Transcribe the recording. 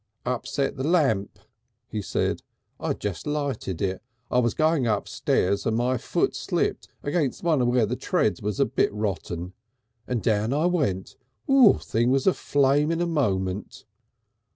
"Upset the lamp," he said. "I'd just lighted it, I was going upstairs, and my foot slipped against where one of the treads was a bit rotten, and down I went. Thing was aflare in a moment!..."